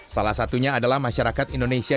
salah satunya adalah masyarakat indonesia